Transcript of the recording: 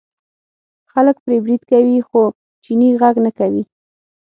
خلک پرې برید کوي خو چینی غږ نه کوي.